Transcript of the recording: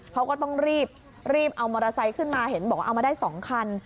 เขาก็ต้องรีบเอามอเตอร์ไซค์ขึ้นมาเห็นบอกว่าเอามาได้๒คัน